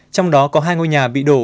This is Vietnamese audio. trong đó có hai ngôi nhà bị đổ